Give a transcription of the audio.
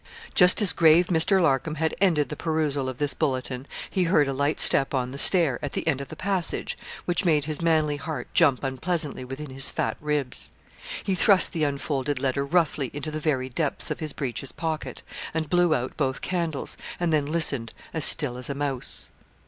Just as grave Mr. Larcom had ended the perusal of this bulletin, he heard a light step on the stair, at the end of the passage, which made his manly heart jump unpleasantly within his fat ribs. He thrust the unfolded letter roughly into the very depths of his breeches pocket, and blew out both candles; and then listened, as still as a mouse.